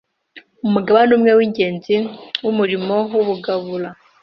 Umugabane umwe w’ingenzi w’umurimo w’ubugabura